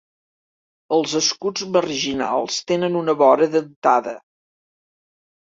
Els escuts marginals tenen una vora dentada.